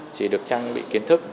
chỉ được trang bị kiến thức